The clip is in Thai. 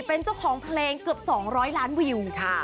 เป็นเจ้าของเพลงเกือบ๒๐๐ล้านวิวค่ะ